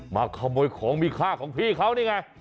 มาขโมยของมีค่าของพี่เขานี่ไง